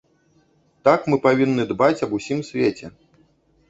Так мы павінны дбаць аб усім свеце.